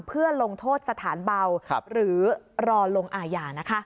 เพื่อลงโทษสถานเบาหรือรอลงอาญานะคะ